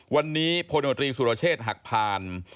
วันนี้พลโนตรีสุรเชษฐ์หักพาน